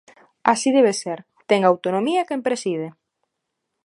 Así debe ser, ten autonomía quen preside.